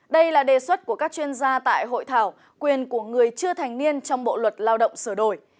đây là đề xuất của các chuyên gia tại hội thảo quyền của người chưa thành niên trong bộ luật lao động sửa đổi